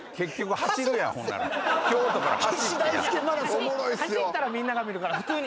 走ったらみんなが見るから普通に。